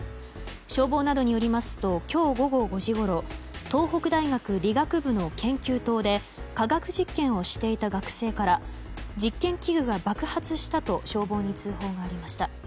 消防などによりますと今日午後５時ごろ東北大学理学部の研究棟で化学実験をしていた学生から実験器具が爆発したと消防に通報がありました。